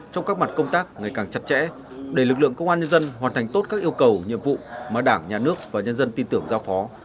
trong các mặt công tác ngày càng chặt chẽ để lực lượng công an nhân dân hoàn thành tốt các yêu cầu nhiệm vụ mà đảng nhà nước và nhân dân tin tưởng giao phó